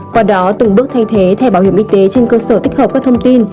qua đó từng bước thay thế thẻ bảo hiểm y tế trên cơ sở tích hợp các thông tin